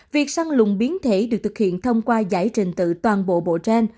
việc săn lùng biến thể được thực hiện thông qua giải trình tự toàn bộ bộ gen